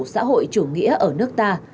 xã hội chủ nghĩa ở nước ta